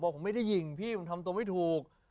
ผมไม่ได้หญิงพี่ผมทำตัวไม่ถูก